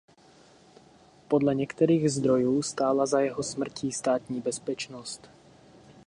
Podle některých zdrojů stála za jeho smrtí Státní bezpečnost.